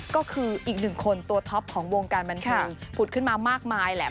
ก็คืออีกหนึ่งคนตัวท็อปของวงการบันเทิงผุดขึ้นมามากมายแหละ